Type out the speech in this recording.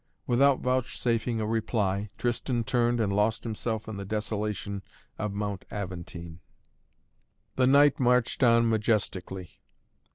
Without vouchsafing a reply, Tristan turned and lost himself in the desolation of Mount Aventine. The night marched on majestically.